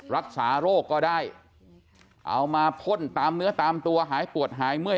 รักษาโรคก็ได้เอามาพ่นตามเนื้อตามตัวหายปวดหายเมื่อย